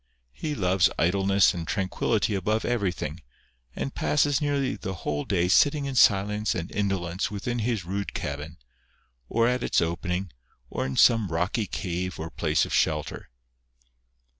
He loves idleness and tranquillity above everything, and passes nearly the whole day sitting in silence and indolence within his rude cabin, or at its opening, or in some rocky cave or place of shelter.